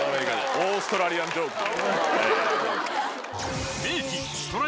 オーストラリアンジョークで。